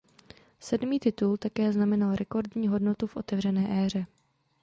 Sedmý titul také znamenal rekordní hodnotu v otevřené éře.